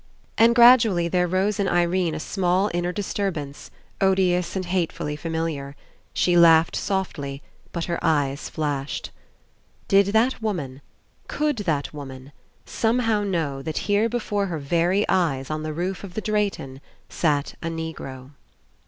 And gradually there rose in Irene a small inner disturbance, odious and hatefully familiar. She laughed softly, but her eyes flashed. Did that woman, could that woman, somehow know that here before her very eyes on the roof of the Drayton sat a Negro?